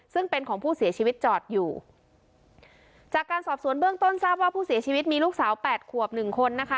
ซึ่งเป็นของผู้เสียชีวิตจอดอยู่จากการสอบสวนเบื้องต้นทราบว่าผู้เสียชีวิตมีลูกสาวแปดขวบหนึ่งคนนะคะ